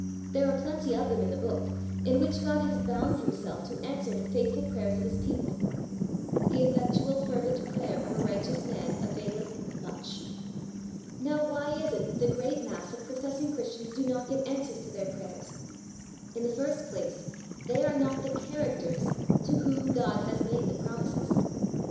There are plenty of them in the Book, in which God has bound Himself to answer the faithful prayers of His people. "The effectual fervent prayer of a righteous man availeth much." Now, why is it that the great mass of professing Christians do not get answers to their prayers? In the first place, they are not the CHARACTERS to whom God has made the promises.